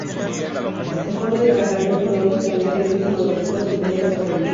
El foro de Trajano es cronológicamente el último de los foros imperiales de Roma.